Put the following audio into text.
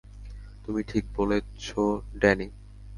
তুমি ঠিক বলছো, ড্যানি।